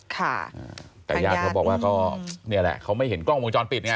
แต่ญาติเขาบอกว่าก็เนี่ยแหละเขาไม่เห็นกล้องวงจรปิดไง